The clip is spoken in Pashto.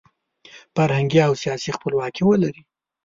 فرهنګي او سیاسي خپلواکي ولري.